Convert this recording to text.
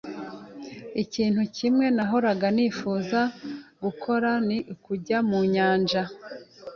Ikintu kimwe nahoraga nifuza gukora ni ukujya mu nyanja.